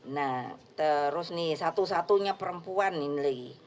nah terus nih satu satunya perempuan ini lagi